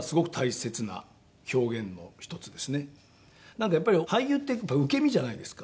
なんかやっぱり俳優って受け身じゃないですか。